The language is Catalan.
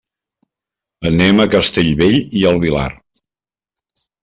Anem a Castellbell i el Vilar.